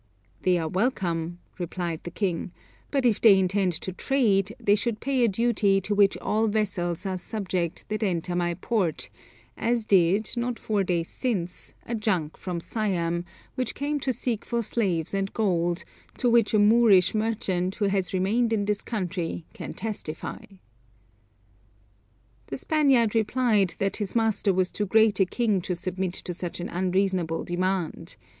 "They are welcome," replied the king; "but if they intend to trade they should pay a duty to which all vessels are subject that enter my port, as did, not four days since, a junk from Siam, which came to seek for slaves and gold, to which a Moorish merchant who has remained in this country can testify." The Spaniard replied that his master was too great a king to submit to such an unreasonable demand.